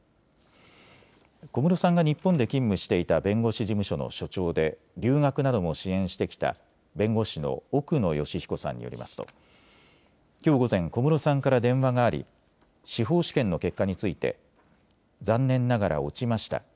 小室さんが日本で勤務していた弁護士事務所の所長で留学なども支援してきた弁護士の奧野善彦さんによりますときょう午前、小室さんから電話があり司法試験の結果について残念ながら落ちました。